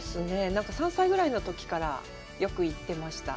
なんか３歳ぐらいのときからよく行ってました。